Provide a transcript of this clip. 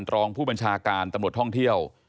รองผู้บัญชาการตำรวจท่องเที่ยว